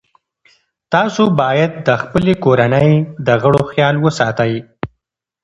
تاسو باید د خپلې کورنۍ د غړو خیال وساتئ.